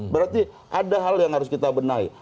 berarti ada hal yang harus kita benahi